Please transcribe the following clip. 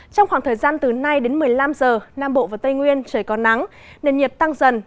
trong khoảng thời gian từ nay đến một mươi năm giờ nam bộ và tây nguyên trời còn nắng nền nhiệt tăng dần